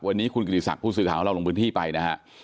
วันนี้คุณกิติศักดิ์ผู้สื่อข่าวของเราลงพื้นที่ไปนะฮะ